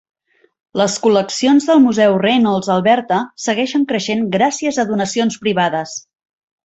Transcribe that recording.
Les col·leccions del museu Reynolds-Alberta segueixen creixent gràcies a donacions privades.